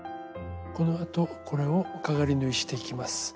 このあとこれをかがり縫いしていきます。